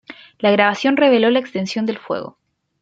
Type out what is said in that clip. La grabación reveló la extensión del fuego.